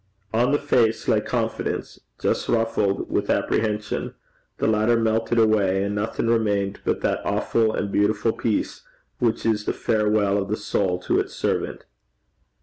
On the face lay confidence just ruffled with apprehension: the latter melted away, and nothing remained but that awful and beautiful peace which is the farewell of the soul to its servant.